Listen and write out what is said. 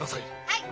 はい。